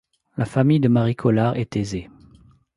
La famille de Marie Collart est aisée.